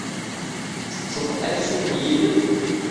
Ttetteḍ aksum n yilef?